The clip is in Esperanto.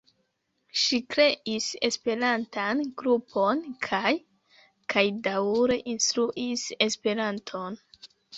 Ŝi kreis esperantan grupon kaj kaj daŭre instruis esperanton.